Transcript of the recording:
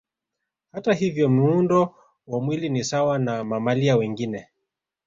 Hata hivyo muundo wa mwili ni sawa na mamalia wengine